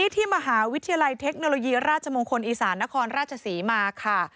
ที่มหาวิทยาลัยเทคโนโลยีราชมงคลอีสานนครราชศรีมาค่ะ